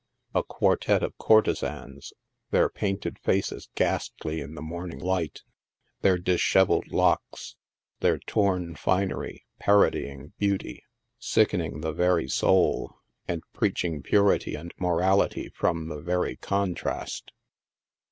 A quartette of courtezans, their painted faces ghastly in the morning light, their dishevelled locks, their torn finery parodying beauty, sickening. the very soul — and preaching purity and morali ty from the very contrast.